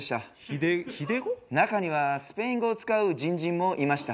「中にはスペイン語を使うじんじんもいました」